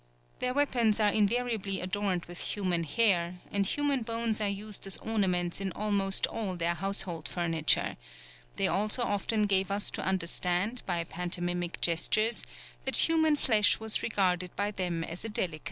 Their weapons are invariably adorned with human hair, and human bones are used as ornaments in almost all their household furniture; they also often gave us to understand by pantomimic gestures that human flesh was regarded by them as a delicacy."